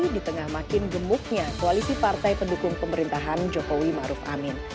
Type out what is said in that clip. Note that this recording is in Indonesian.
di tengah makin gemuknya koalisi partai pendukung pemerintahan jokowi ⁇ maruf ⁇ amin